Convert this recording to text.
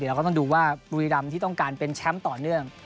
เราก็ต้องดูว่าบุรีรำที่ต้องการเป็นแชมป์ต่อเนื่อง